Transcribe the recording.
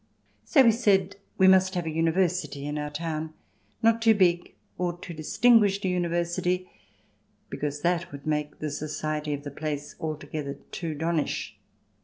So we said we must have a University in our town — not too big or too distinguished a Uni versity, because that would make the society of the place too altogether donnish.